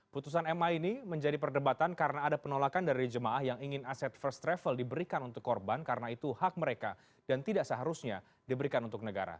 putusan ma ini menjadi perdebatan karena ada penolakan dari jemaah yang ingin aset first travel diberikan untuk korban karena itu hak mereka dan tidak seharusnya diberikan untuk negara